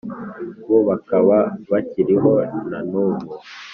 bo bakaba bakiriho na n ubu